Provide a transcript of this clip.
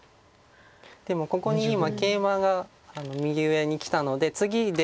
でもここに今ケイマが右上にきたので次出が。